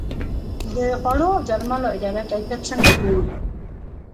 د خوړو او درملو اداره کیفیت څنګه ګوري؟